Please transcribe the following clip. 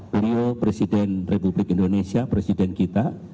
beliau presiden republik indonesia presiden kita